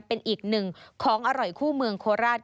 เป็นอีกหนึ่งของอร่อยคู่เมืองโคราช